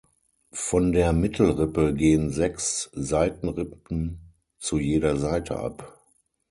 Von der Mittelrippe gehen sechs Seitenrippen zu jeder Seite ab.